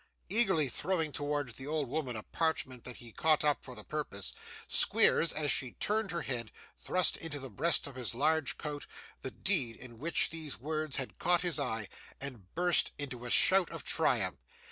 Eagerly throwing towards the old woman a parchment that he caught up for the purpose, Squeers, as she turned her head, thrust into the breast of his large coat, the deed in which these words had caught his eye, and burst into a shout of triumph.